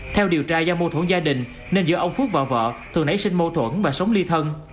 theo điều tra do mô thuẫn gia đình nên giữa ông phước và vợ thường nảy sinh mâu thuẫn và sống ly thân